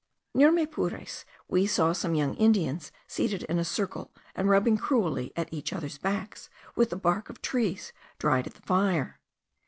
Near Maypures we saw some young Indians seated in a circle and rubbing cruelly each others' backs with the bark of trees dried at the fire.